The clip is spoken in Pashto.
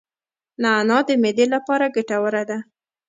نعناع د معدې لپاره ګټوره ده